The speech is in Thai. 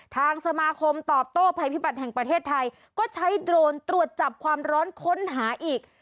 ทางสมาคมตอบโต้ภัยพิบัติแห่งประเทศไทยก็ใช้โดรนตรวจจับความร้อนค้นหาอีก